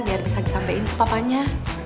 biar bisa disampaikan ke papanya